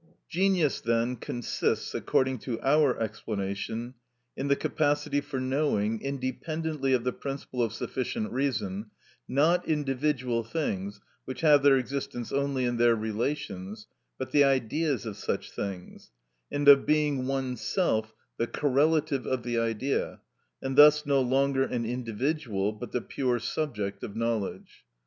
Genius, then, consists, according to our explanation, in the capacity for knowing, independently of the principle of sufficient reason, not individual things, which have their existence only in their relations, but the Ideas of such things, and of being oneself the correlative of the Idea, and thus no longer an individual, but the pure subject of knowledge.